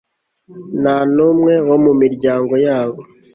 Nta numwe wo mu miryango yabo